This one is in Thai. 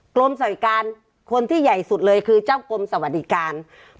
กรมสวัสดิการคนที่ใหญ่สุดเลยคือเจ้ากรมสวัสดิการ